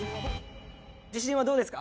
自信はどうですか？